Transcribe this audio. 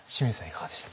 いかがでした？